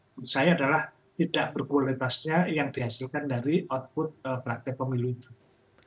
menurut saya adalah tidak berkualitasnya yang dihasilkan dari output praktek pemilu itu